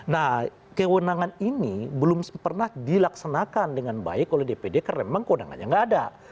nah kewenangan ini belum pernah dilaksanakan dengan baik oleh dpd karena memang kewenangannya nggak ada